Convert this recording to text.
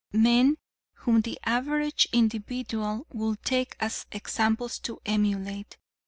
Men whom the average individual would take as examples to emulate.